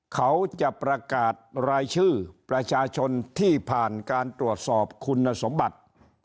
เขาจะประกาศรายชื่อประชาชนที่ผ่านการตรวจสอบคุณสมบัติ